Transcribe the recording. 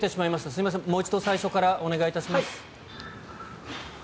すいませんもう一度最初からお願いします。